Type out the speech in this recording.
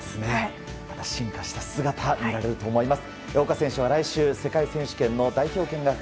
また進化した姿見られると思います。